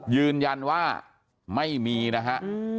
ยืนยันว่าไม่มีนะฮะ